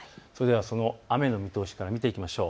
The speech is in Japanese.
その雨の見通しから見ていきましょう。